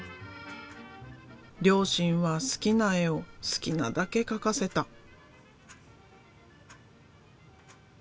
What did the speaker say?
両親は好きな絵を好きなだけ描かせた。